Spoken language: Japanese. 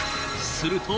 すると。